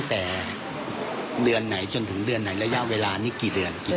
ก็เล่าอาการให้ฟังแบบนี้นะคะว่าน้องสาวมีอาการก็แปลก